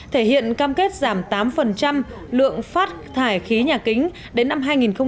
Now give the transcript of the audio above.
thể hiện cam kết giảm tám lượng phát thải khí nhà kính đến năm hai nghìn ba mươi